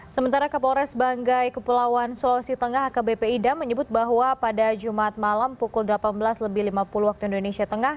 sementara kapolres banggai kepulauan sulawesi tenggara kbp ida menyebut bahwa pada jumat malam pukul delapan belas lima puluh wib